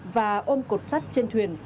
và ôm cột sắt trên thuyền